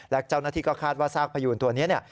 และเจ้าหน้าที่ก็คาดว่าซากพยูนตัวนี้เนี่ย